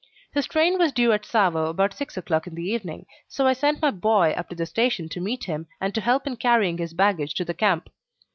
His train was due at Tsavo about six o'clock in the evening, so I sent my "boy" up to the station to meet him and to help in carrying his baggage to the camp.